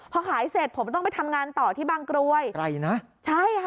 พอขายเสร็จผมต้องไปทำงานต่อที่บางกรวยไกลนะใช่ค่ะ